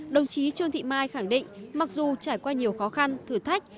đồng chí trương thị mai khẳng định mặc dù trải qua nhiều khó khăn thử thách